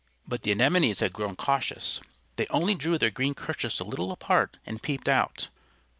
But the Anemones had grown cautious. They only drew their green kerchiefs a little apart and peeped out.